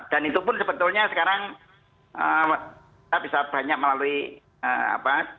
dan itu pun sebetulnya sekarang kita bisa banyak melalui apa